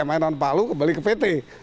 main non palu kembali ke pt